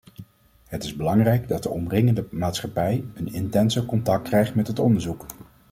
Het is belangrijk dat de omringende maatschappij een intenser contact krijgt met het onderzoek.